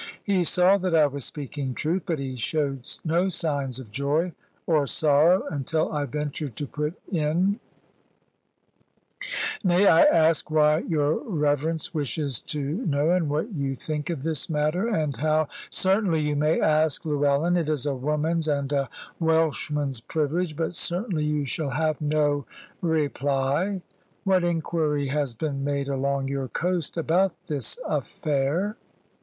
He saw that I was speaking truth; but he showed no signs of joy or sorrow, until I ventured to put in "May I ask why your reverence wishes to know, and what you think of this matter, and how " "Certainly you may ask, Llewellyn; it is a woman's and a Welshman's privilege; but certainly you shall have no reply. What inquiry has been made along your coast about this affair?"